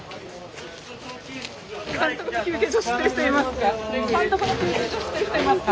監督の休憩所知ってる人いますか？